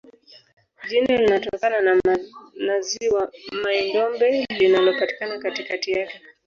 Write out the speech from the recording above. Jina linatokana na ziwa Mai-Ndombe linalopatikana katikati yake.